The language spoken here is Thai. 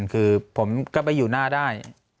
คือผมก็ไปอยู่หน้าได้